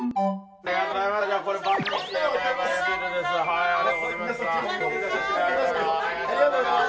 ありがとうございます。